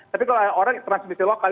tapi kalau ada orang yang transmisi lokal